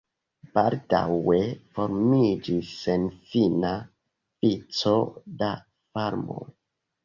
Baldaŭe formiĝis senfina vico da farmoj.